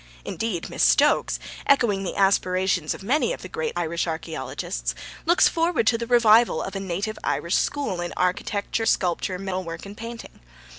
Indeed, Miss Stokes, echoing the aspirations of many of the great Irish archaeologists, looks forward to the revival of a native Irish school in architecture, sculpture, metal work and painting.